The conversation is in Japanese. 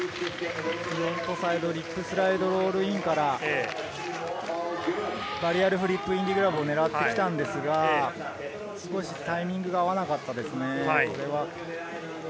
フロントサイドリップスライドロールインからバリアルフリップインディグラブを狙ってきたんですが、タイミングが合わなかったですね。